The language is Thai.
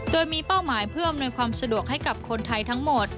โดยมีเป้าหมายเพื่ออำนวยความสะดวกให้กับคนไทยทั้งหมด